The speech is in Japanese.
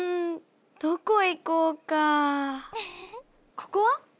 ここは？